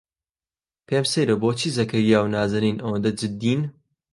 پێم سەیرە بۆچی زەکەریا و نازەنین ئەوەندە جددین.